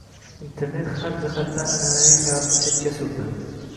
Internet har jihatdan anʼanaviy hayotni chetga surdi.